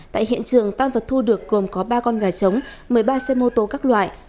tại hiện trường tăng vật thu được gồm có ba con gà trống một mươi ba xe mô tô các loại